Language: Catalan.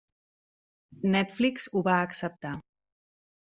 Netflix ho va acceptar.